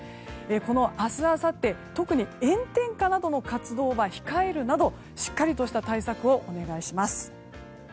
この明日、あさって特に炎天下などの活動は控えるなどしっかりとした対策をお願いします。